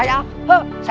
saya laporkan ke gusti ratu